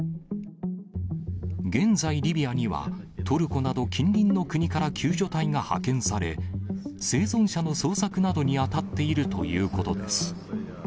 現在、リビアには、トルコなど近隣の国から救助隊が派遣され、生存者の捜索などに当たっているということです。